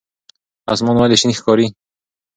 اسمان ولې شین ښکاري؟